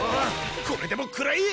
これでも食らえ！